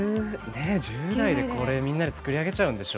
１０代でこれみんなで作り上げちゃうんでしょ。